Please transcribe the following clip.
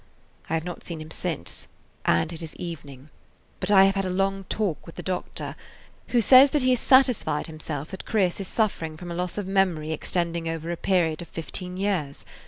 I have not seen him since, and it is evening; but I have had a long talk with the doctor, who [Page 40] says that he has satisfied himself that Chris is suffering from a loss of memory extending over a period of fifteen years.